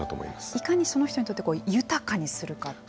いかにその人にとってこう豊かにするかっていう。